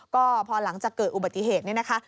ก็พอหลังจากเกิดอุบัติเหตุนี่นะคะ